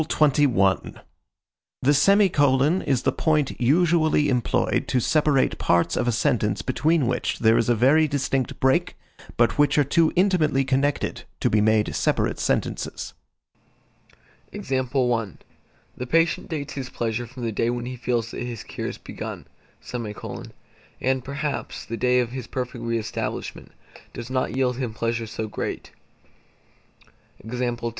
The semicolon is the point usually employed to separate parts of a sentence between which there is a very distinct break, but which are too intimately connected to be made separate sentences. The patient dates his pleasure from the day when he feels that his cure has begun; and, perhaps, the day of his perfect re establishment does not yield him pleasure so great.